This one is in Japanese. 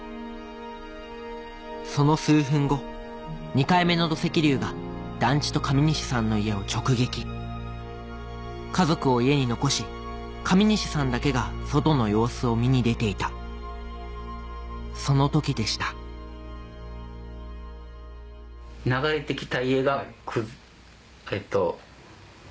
その数分後２回目の土石流が団地と上西さんの家を直撃家族を家に残し上西さんだけが外の様子を見に出ていたその時でしたこんな感じです。